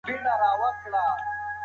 زموږ عادتونه زموږ پیژندګلوي جوړوي.